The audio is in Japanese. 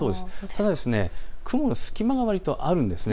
ただ雲の隙間がわりとあるんです。